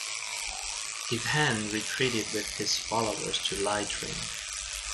He then retreated with his followers to Leitrim.